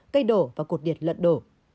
cây đổ và cột điệt lận đổ